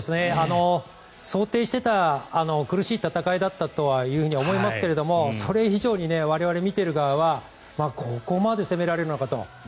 想定していた苦しい戦いだったとは思いますがそれ以上に我々見ている側はここまで攻められるのかと。